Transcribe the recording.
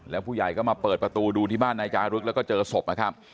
แล้วผู้ใหญ่ก็มาเปิดประตูดูที่บ้านนายจารึกแล้วก็เจอศพนะครับ